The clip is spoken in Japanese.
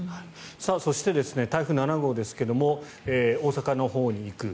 そして台風７号ですが大阪のほうに行く。